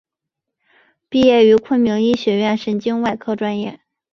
毕业于昆明医学院神经外科专业。